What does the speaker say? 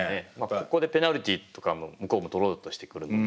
ここでペナルティとかも向こうも取ろうとしてくるので。